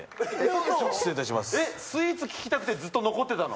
スイーツ聞きたくてずっと残ってたの？